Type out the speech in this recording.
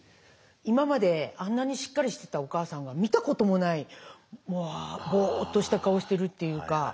今まであんなにしっかりしてたお母さんが見たこともないぼっとした顔してるっていうか。